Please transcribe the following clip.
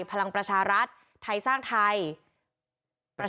กรุงเทพฯมหานครทำไปแล้วนะครับ